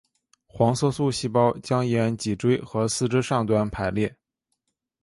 黄色素细胞将沿脊椎和四肢上端排列。